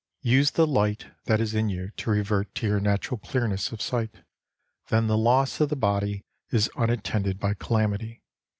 Use the light that is in you to revert to your natural clearness of sight. Then the loss of the body is unattended by calamity.